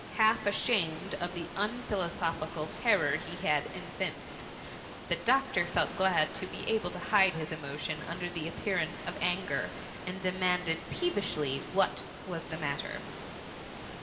Half asham ed of the unphilosophic terror he had evinced, the doctor felt glad to be able to hide his emo tion under the appearance of anger, and de manded peevishly, what was the matter.